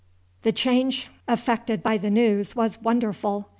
The change effected by the news was wonderful.